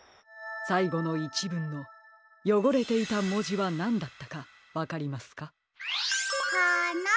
さいごのいちぶんのよごれていたもじはなんだったかわかりますか？